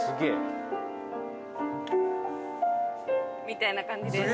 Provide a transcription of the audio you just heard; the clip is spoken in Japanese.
みたいな感じです。